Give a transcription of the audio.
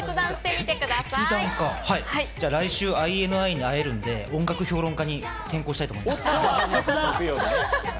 来週、ＩＮＩに会えるので、音楽評論家に転向したいと思います。